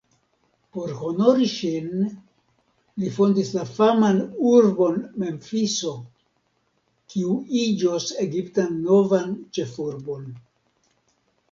Por honori ŝin li fondis la faman urbon Memfiso, kiu iĝos Egiptan novan ĉefurbon.